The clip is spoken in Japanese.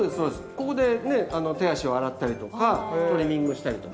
ここでね手足を洗ったりとかトリミングしたりとか。